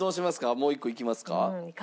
もう１個いきますか？